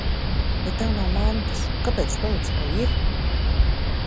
Ja tev nav mantas, kāpēc teici, ka ir?